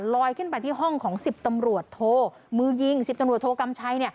ลอยขึ้นไปที่ห้องของ๑๐ตำรวจโทมือยิง๑๐ตำรวจโทกำชัย